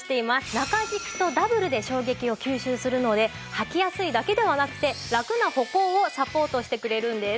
中敷きとダブルで衝撃を吸収するので履きやすいだけではなくてラクな歩行をサポートしてくれるんです。